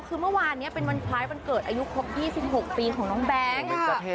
คือเมื่อวานนี้เป็นวันคล้ายวันเกิดอายุครบ๒๖ปีของน้องแบงค์